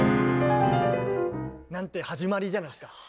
なんて始まりじゃないですか。